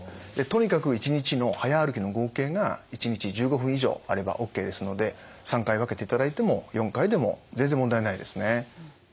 とにかく１日の早歩きの合計が１日１５以上あればＯＫですので３回分けていただいても４回でも全然問題ないですね。